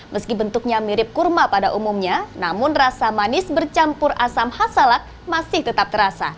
meski bentuknya mirip kurma pada umumnya namun rasa manis bercampur asam khas salak masih tetap terasa